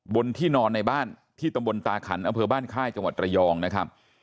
บนที่นอนในบ้านที่ตำบลตาขันอำเภอบ้านค่ายจังหวัดระยองนะครับ